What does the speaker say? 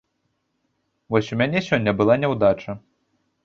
Вось у мяне сёння была няўдача.